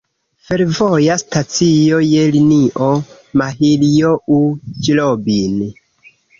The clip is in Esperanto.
Fervoja stacio je linio Mahiljoŭ-Ĵlobin.